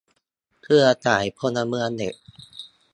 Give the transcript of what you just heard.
เครือข่ายพลเมืองเน็ต